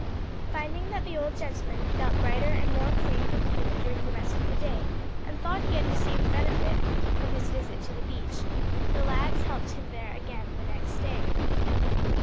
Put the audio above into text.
Finding that the old gentleman felt brighter and more free from pain during the rest of the day, and thought he had received benefit from his visit to the beach, the lads helped him there again the next day.